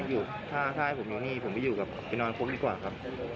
อยู่ถ้าให้ผมอยู่นี่ผมไปนอนคุกดีกว่าครับ